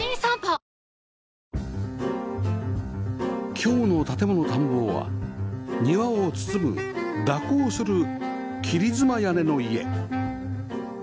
今日の『建もの探訪』は庭を包む蛇行する切妻屋根の家